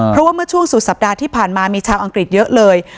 เพราะว่าเมื่อช่วงสุดสัปดาห์ที่ผ่านมามีชาวอังกฤษเยอะเลย